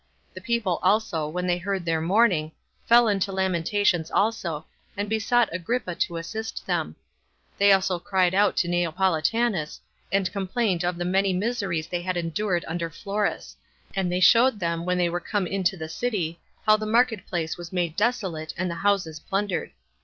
The people also, when they heard their mourning, fell into lamentations also, and besought Agrippa to assist them: they also cried out to Neopolitanus, and complained of the many miseries they had endured under Florus; and they showed them, when they were come into the city, how the market place was made desolate, and the houses plundered.